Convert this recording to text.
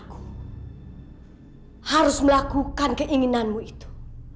aku harus melakukan keinginanmu itu